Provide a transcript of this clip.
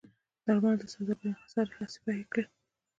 درملو د سوداګرۍ انحصار هڅې یې پیل کړې.